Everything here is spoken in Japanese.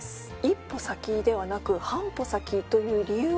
一歩先ではなく半歩先という理由は何でしょうか？